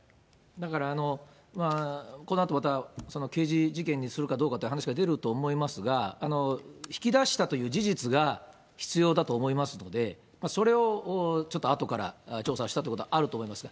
だから、このあとまた刑事事件にするかどうかという話が出てくると思いますが、引き出したという事実が必要だと思いますので、それをちょっとあとから、調査したということはあると思います。